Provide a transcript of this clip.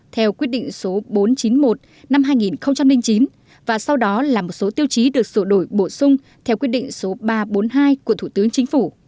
theo quyết định số bốn trăm chín mươi một năm hai nghìn chín và sau đó là một số tiêu chí được sổ đổi bổ sung theo quyết định số ba trăm bốn mươi hai của thủ tướng chính phủ